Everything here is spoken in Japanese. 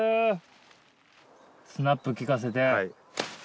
スナップきかせて。